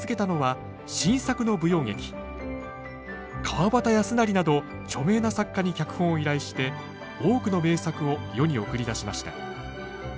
川端康成など著名な作家に脚本を依頼して多くの名作を世に送り出しました。